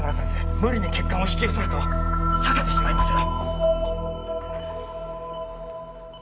無理に血管を引き寄せると裂けてしまいますよ。